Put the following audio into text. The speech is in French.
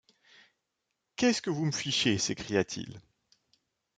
Qu’est-ce que vous me fichez? s’écria-t-il.